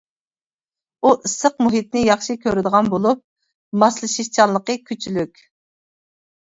ئۇ ئىسسىق مۇھىتنى ياخشى كۆرىدىغان بولۇپ، ماسلىشىشچانلىقى كۈچلۈك.